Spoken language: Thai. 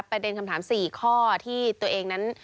ประเด็นคำถาม๔ข้อที่ตัวเองนั้น